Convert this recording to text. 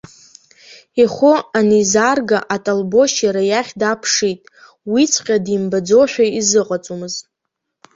Ихәы анизаарга, аталбошь иара иахь дааԥшит, уиҵәҟьа димбаӡошәа изыҟаҵомызт.